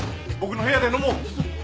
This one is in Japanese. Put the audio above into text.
僕の部屋で飲もう。